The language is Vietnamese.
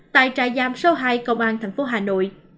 tại trại giam số hai công an tp hà nội